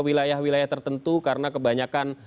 wilayah wilayah tertentu karena kebanyakan